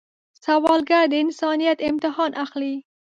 سوالګر د انسانیت امتحان اخلي